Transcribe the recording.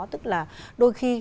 tức là đôi khi